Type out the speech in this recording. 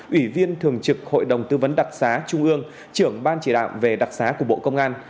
ủy viên thường trực hội đồng tư vấn đặc xá trung ương trưởng ban chỉ đạo về đặc xá của bộ công an